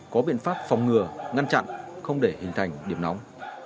có biện pháp phòng ngừa ngăn chặn không để hình thành điểm nóng